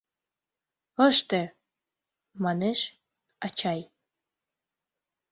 Ыште, манеш, ачай.